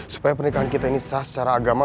supaya pernikahan kita ini sah secara agama